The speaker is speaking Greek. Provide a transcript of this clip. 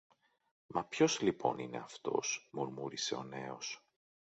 Μα ποιος λοιπόν είναι αυτός; μουρμούρισε ο νέος.